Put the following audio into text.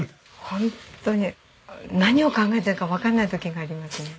ホントに何を考えてるかわからない時がありますね。